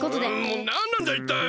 もうなんなんだいったい！